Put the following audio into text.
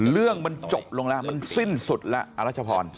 เรื่องมันจบลงแล้วมันสิ้นสุดแล้วอรัชพร